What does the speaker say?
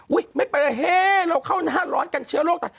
อุ๊ยไม่เป็นไรเราเข้าหน้าร้อนกันเชื้อโรค